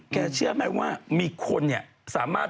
คือให้มีคุณก่อนเรามา